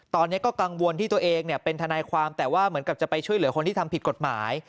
ตอนนี้ก็กังวลที่ตัวเองเป็นทนายความแต่ว่าเหมือนกับจะไปช่วยเหลือคนที่ทำผิดกฎหมาย